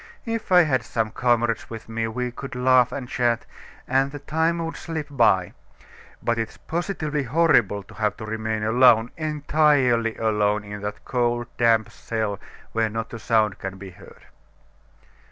If I had some comrades with me, we could laugh and chat, and the time would slip by; but it is positively horrible to have to remain alone, entirely alone, in that cold, damp cell, where not a sound can be heard."